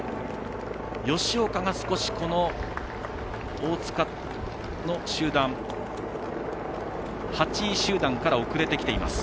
吉岡が少し、大塚の集団８位集団から遅れてきています。